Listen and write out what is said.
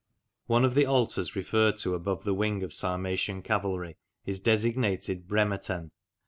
On one of the altars referred to above the wing of Sarmatian cavalry is designated Bremetenn